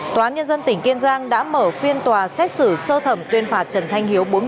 tòa án nhân dân tỉnh kiên giang đã mở phiên tòa xét xử sơ thẩm tuyên phạt trần thanh hiếu